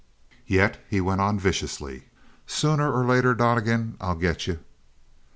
Yet he went on viciously: "Sooner or later, Donnegan, I'll get you!"